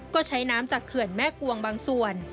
ก็ใช้น้ำจากเขื่อนแม่กวงบางส่วน